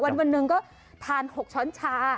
วันหนึ่งก็ทาน๖ช้อนชา